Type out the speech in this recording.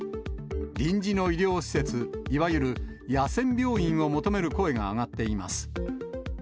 臨時の医療施設、いわゆる野戦病院を求める声が上がっています。